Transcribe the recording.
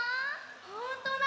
ほんとだ